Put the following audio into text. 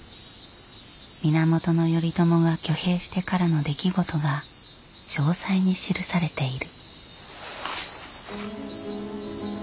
源頼朝が挙兵してからの出来事が詳細に記されている。